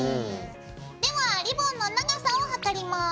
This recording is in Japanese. ではリボンの長さを測ります。